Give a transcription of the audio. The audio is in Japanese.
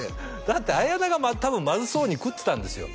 だって彩奈が多分まずそうに食ってたんですよ